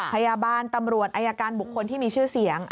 พยาบาลตำรวจอายการบุคคลที่มีชื่อเสียง